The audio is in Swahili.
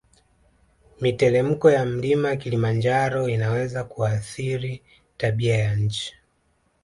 Mitelemko ya mlima kilimanjaro inaweza kuathiri tabia ya nchi